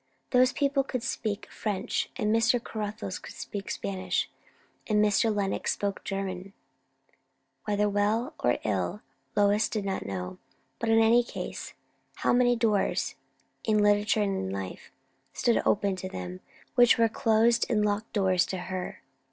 Those people could speak French, and Mr. Caruthers could speak Spanish, and Mr. Lenox spoke German. Whether well or ill, Lois did not know; but in any case, how many doors, in literature and in life, stood open to them; which were closed and locked doors to her!